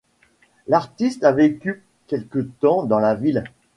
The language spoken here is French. L'artiste a vécu quelque temps dans la ville.